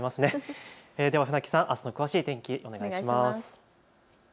船木さん、あすの詳しい天気をお願いします。